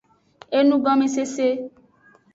Enugomesese.